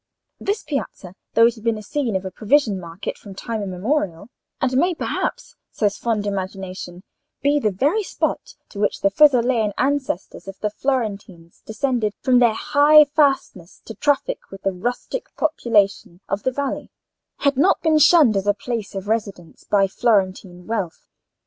This piazza, though it had been the scene of a provision market from time immemorial, and may, perhaps, says fond imagination, be the very spot to which the Fesulean ancestors of the Florentines descended from their high fastness to traffic with the rustic population of the valley, had not been shunned as a place of residence by Florentine wealth.